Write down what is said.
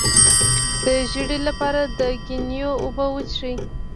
د ژیړي لپاره د ګنیو اوبه وڅښئ